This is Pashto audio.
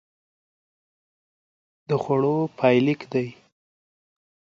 غول د خوړو پای لیک دی.